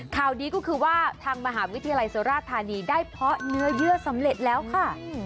ข่าวนี้ก็คือว่าทางมหาวิทยาลัยสุราธานีได้เพาะเนื้อเยื่อสำเร็จแล้วค่ะ